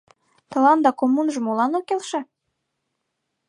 — Тыланда коммунжо молан ок келше?